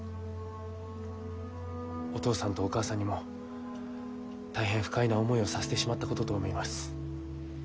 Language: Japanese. お義父さんとお義母さんにも大変不快な思いをさせてしまったことと思います。